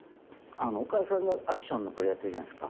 岡田さんがアクションのこれやってるじゃないですか。